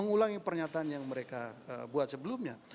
mengulangi pernyataan yang mereka buat sebelumnya